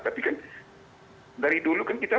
tapi kan dari dulu kan kita